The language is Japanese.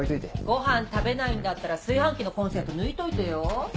ごはん食べないんだったら炊飯器のコンセント抜いといてよ。